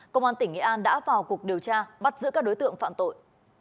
công an tỉnh nghệ an đã vào cuộc điều tra bắt giữ các đối tượng phạm tội